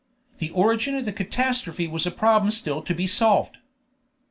The origin of the catastrophe was a problem still to be solved.